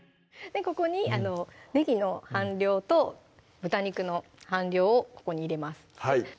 ここにねぎの半量と豚肉の半量をここに入れます